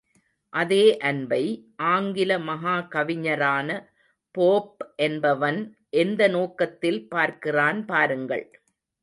அதே அன்பை, ஆங்கில மகா கவிஞரான போப் என்பவன் எந்த நோக்கத்தில் பார்க்கிறான் பாருங்கள்.